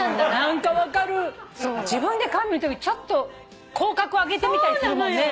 自分で鏡見るときちょっと口角上げてみたりするもんね。